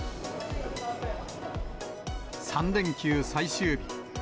３連休最終日。